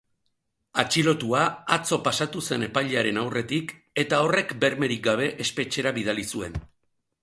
Atxilotua atzo pasatu zen epailearen aurretik eta horrek bermerik gabe espetxera bidali zuen.